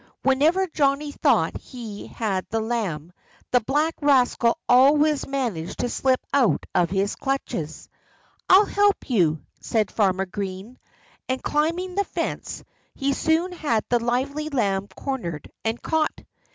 Whenever Johnnie thought he had the lamb the black rascal always managed to slip out of his clutches. "I'll help you," said Farmer Green. And climbing the fence, he soon had the lively lamb cornered and caught.